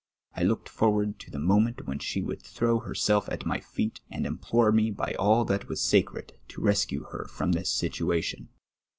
I looked forward to the moment when she would throw herself at my feet, and implore me by all that was sacred to rescue her from this situation.